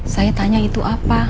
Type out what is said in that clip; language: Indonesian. saya tanya itu apa